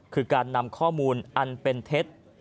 คือการนำข้อมูลอันเป็นเท็จ